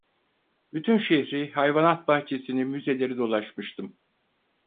Bütün şehri, hayvanat bahçesini, müzeleri dolaşmıştım.